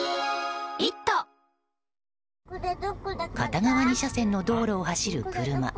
片側２車線の道路を走る車。